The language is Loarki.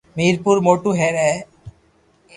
ميرپور موٽو ھير ھي